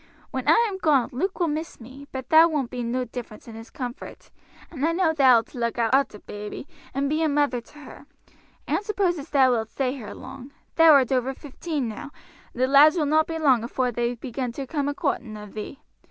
When I am gone Luke will miss me, but thar won't be no difference in his comfort, and I know thou'lt look arter baby and be a mother to her. I don't suppose as thou wilt stay here long; thou art over fifteen now, and the lads will not be long afore they begin to come a coorting of thee.